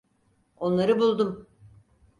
Onları buldum!